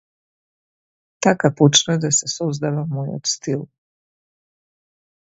Така почна да се создава мојот стил.